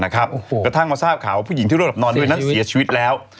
กระทั่งมาทราบข่าวว่าผู้หญิงที่ร่วมหลับนอนด้วยนั้นเสียชีวิตแล้ว